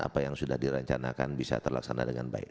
apa yang sudah direncanakan bisa terlaksana dengan baik